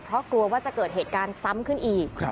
เพราะกลัวว่าจะเกิดเหตุการณ์ซ้ำขึ้นอีก